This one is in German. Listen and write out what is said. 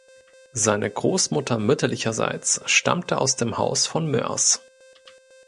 Seine Großmutter mütterlicherseits stammte aus dem Haus von Moers.